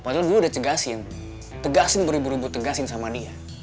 padahal dulu udah cegasin tegasin beribu ribut tegasin sama dia